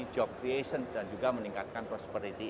job creation dan juga meningkatkan prosperity